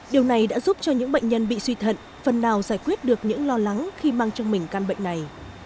điều này đã giúp cho những bệnh nhân bị suy thận phần nào giải quyết được những lo lắng khi mang trong mình căn bệnh này